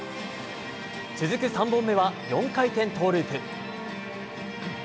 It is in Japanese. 続く３本目は４回転トウループ。